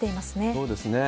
そうですね。